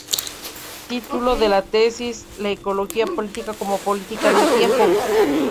Título de la tesis: La Ecología Política como Política del Tiempo.